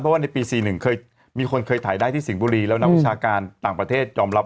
เพราะว่าในปี๔๑เคยมีคนเคยถ่ายได้ที่สิงห์บุรีแล้วนักวิชาการต่างประเทศยอมรับ